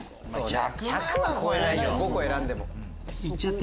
１００は超えないよ５個選んでも。